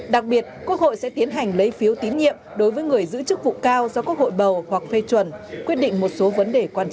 đặc biệt quốc hội sẽ tiến hành lấy phiếu tín nhiệm đối với người giữ chức vụ cao do quốc hội bầu hoặc phê chuẩn